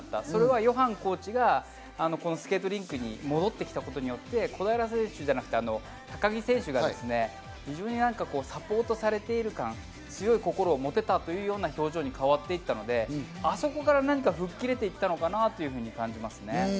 それはヨハンコーチがこのスケートリンクに戻ってきたことによって、高木選手がサポートされている感、強い心を持てたというような表情に変わっていったので、あそこから何か吹っ切れていったのかなと感じますね。